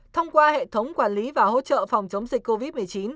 thông qua hệ thống quản lý và hỗ trợ phòng chống dịch covid một mươi chín